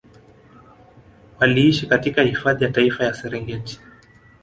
Waliishi katika hifadhi ya Taifa ya Serengeti